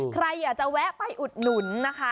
ใครอยากจะแวะไปอุดหนุนนะคะ